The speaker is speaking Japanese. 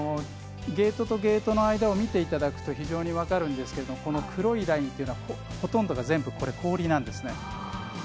ゲートとゲートの間を見ていただくと非常に分かるんですが黒いラインというのはほとんど全部が氷なんですね。